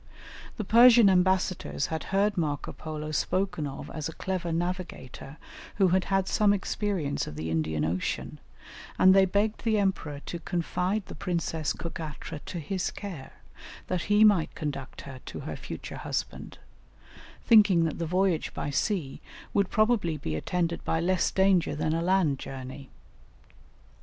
The Persian ambassadors had heard Marco Polo spoken of as a clever navigator who had had some experience of the Indian Ocean, and they begged the Emperor to confide the Princess Cogatra to his care, that he might conduct her to her future husband, thinking that the voyage by sea would probably be attended by less danger than a land journey.